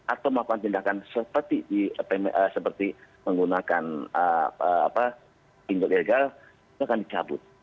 atau melakukan tindakan seperti menggunakan pinjol ilegal itu akan dicabut